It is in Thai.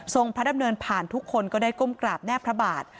พระดำเนินผ่านทุกคนก็ได้ก้มกราบแน่พระบาท